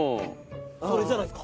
それじゃないですか？